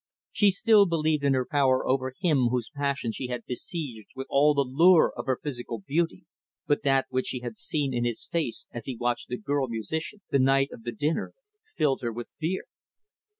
She still believed in her power over him whose passion she had besieged with all the lure of her physical beauty, but that which she had seen in his face as he had watched the girl musician the night of the dinner, filled her with fear.